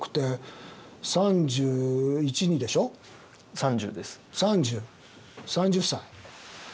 ３０３０歳。